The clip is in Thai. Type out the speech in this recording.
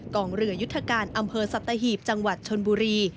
กองเรือยุทธการอำเภอสัตหีบจังหวัดชนบุรี